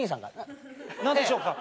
何でしょうか？